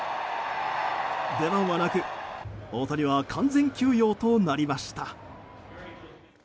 出番はなく大谷は完全休養となりました。